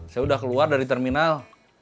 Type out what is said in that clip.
saya udah keluar dari terminal